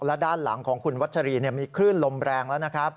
และด้านหลังของคุณวัชรีมีคลื่นลมแรงแล้วนะครับ